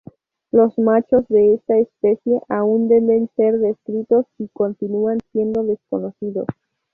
Los machos de esta especie aún deben ser descritos y continúan siendo desconocidos.